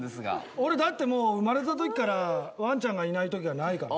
俺だってもう生まれた時からワンちゃんがいない時がないからね。